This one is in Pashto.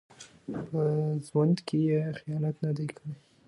په ژوند کې یې خیانت نه دی کړی.